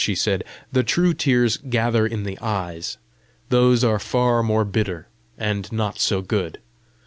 she said. "The true tears gather in the eyes. Those are far more bitter, and not so good.